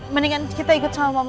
mendingan kita ikut sama mama